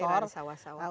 itu perairan sawah sawah